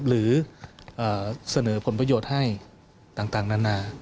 หรือเสนอผลประโยชน์ให้ต่างนานา